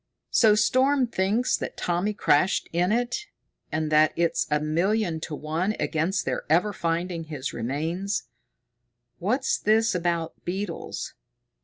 "So Storm thinks that Tommy crashed in it, and that it's a million to one against their ever finding his remains. What's this about beetles?